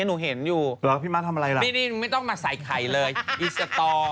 จะไปหัวเราะกันหมดทุกคนนะ